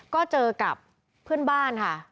ก็เจอกับเพื่อนบ้านค่ะ